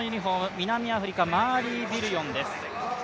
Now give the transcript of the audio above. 南アフリカマーリー・ビルヨンです。